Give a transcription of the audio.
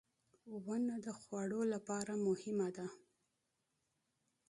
• ونه د خوړو لپاره مهمه ده.